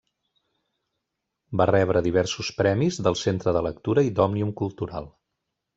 Va rebre diversos premis del Centre de Lectura i d'Òmnium Cultural.